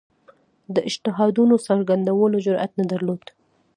د اجتهادونو څرګندولو جرئت نه درلود